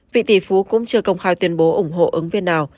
vị tỷ phú cũng chưa công khai tuyên bố ủng hộ ứng viên nào